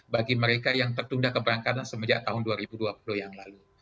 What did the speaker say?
bagi mereka yang tertunda keberangkatan semenjak tahun dua ribu dua puluh yang lalu